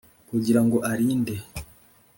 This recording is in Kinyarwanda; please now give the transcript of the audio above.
Kugira ngo arinde